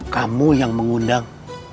kamu yang mengundang